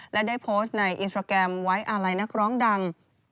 และได้โพสต์ในอินสตราแกรมไว้อาลัยนักร้องดัง